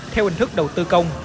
theo hình thức đầu tư công